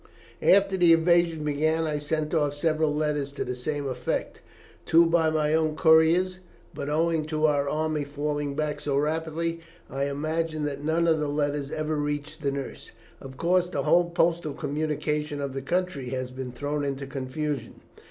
"After the invasion began I sent off several letters to the same effect, two by my own couriers, but owing to our army falling back so rapidly, I imagine that none of the letters ever reached the nurse. Of course, the whole postal communication of the country has been thrown into confusion.